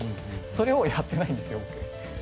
それをやってないんですよ、僕。